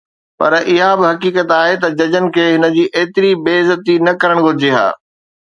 پر اها به حقيقت آهي ته ججن کي هن جي ايتري بي عزتي نه ڪرڻ گهرجي ها